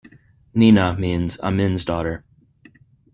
Nina means "Amin's Daughter".